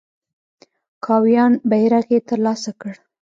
کاویان بیرغ یې تر لاسه کړ.